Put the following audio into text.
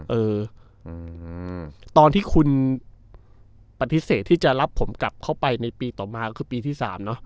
เออตอนที่คุณปฏิเสธที่จะรับผมกลับเข้าไปในปีต่อมาก็คือปีที่๓เนอะ